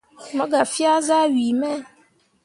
Mo gah fea zah wii me.